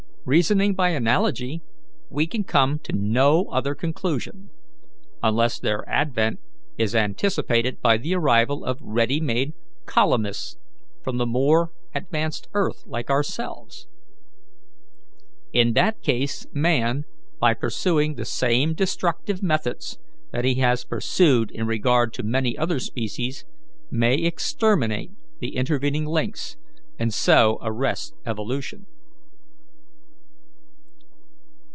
Reasoning by analogy, we can come to no other conclusion, unless their advent is anticipated by the arrival of ready made colonists from the more advanced earth, like ourselves. In that case man, by pursuing the same destructive methods that he has pursued in regard to many other species, may exterminate the intervening links, and so arrest evolution."